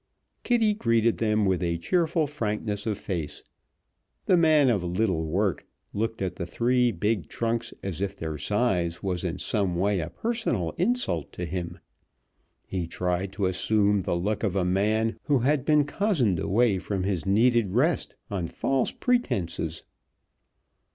Kitty greeted them with a cheerful frankness of face. The man of little work looked at the three big trunks as if their size was in some way a personal insult to him. He tried to assume the look of a man who had been cozened away from his needed rest on false pretences.